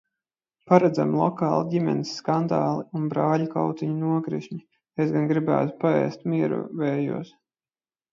Paredzami lokāli ģimenes skandāli un brāļu kautiņu nokrišņi? Es gan gribētu paēst miera vējos!